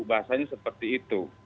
bahasanya seperti itu